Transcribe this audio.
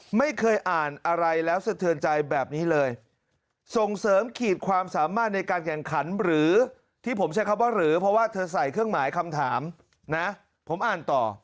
ผมใช้คำว่าหรือเพราะว่าเธอใส่เครื่องหมายคำถามนะผมอ่านต่อ